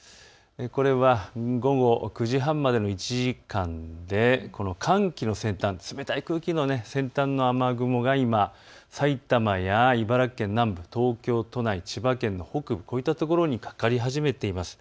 これは午後９時半までの１時間で寒気の先端、冷たい空気の先端の雨雲が埼玉や茨城県南部、東京都内、千葉県の北部こういった所にかかり始めています。